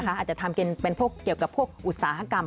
อาจจะทำเป็นพวกเกี่ยวกับพวกอุตสาหกรรม